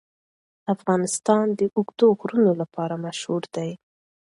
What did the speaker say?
افغانستان د اوږده غرونه لپاره مشهور دی.